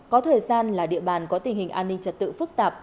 có thời gian là địa bàn có tình hình an ninh trật tự phức tạp